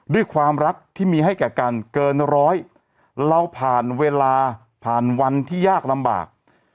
ด้วยความรักที่มีให้แก่กันเกินร้อยเราผ่านเวลาผ่านวันที่ยากลำบาก